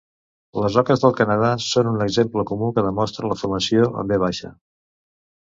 Les oques del Canadà són un exemple comú que demostra la formació en V.